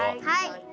はい！